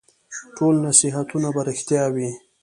ټول نصیحتونه به رېښتیا وي ؟